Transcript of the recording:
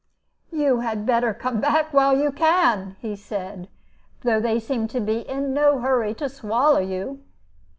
"You had better come back while you can," he said, "though they seem in no hurry to swallow you."